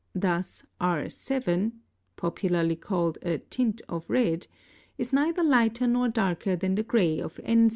Thus R7 (popularly called a tint of red) is neither lighter nor darker than the gray of N7.